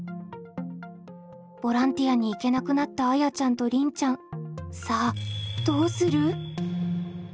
ボランティアに行けなくなったあやちゃんとりんちゃん。